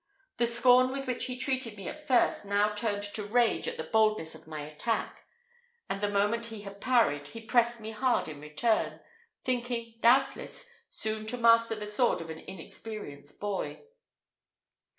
The scorn with which he treated me at first now turned to rage at the boldness of my attack; and the moment he had parried, he pressed me hard in return, thinking, doubtless, soon to master the sword of an inexperienced boy.